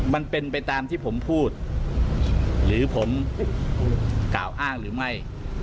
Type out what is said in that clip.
มันเป็นไปตามที่ผมพูดหรือผมกล่าวอ้างหรือไม่